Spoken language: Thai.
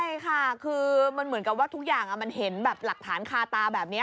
ใช่ค่ะคือมันเหมือนกับว่าทุกอย่างมันเห็นแบบหลักฐานคาตาแบบนี้